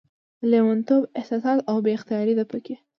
لېونتوب، احساسات او بې اختياري ده پکې